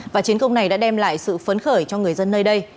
và chiến công này đã đem lại sự phấn khởi cho người dân nơi đây